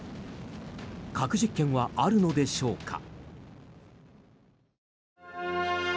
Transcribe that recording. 核実験はあるのでしょうか。